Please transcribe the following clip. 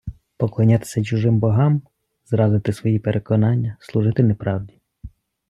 Поклонятися чужим богам - зрадити свої переконання, служити неправді